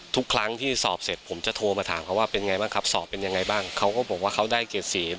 ทุกครั้งที่สอบเสร็จผมจะโทรมาถามเขาว่าเป็นไงบ้างครับสอบเป็นยังไงบ้างเขาก็บอกว่าเขาได้เจ็ดสี